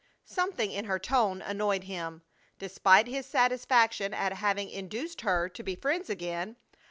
Something in her tone annoyed him, despite his satisfaction at having induced her to be friends again.